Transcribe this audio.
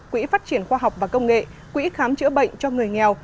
quỹ phát triển khoa học và công nghệ quỹ khám chữa bệnh cho người nghèo